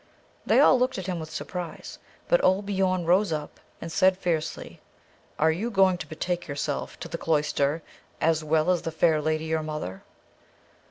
They all looked at him with surprise; but old Biorn rose up and said fiercely, "Are you going to betake yourself to the cloister, as well as the fair lady your mother?"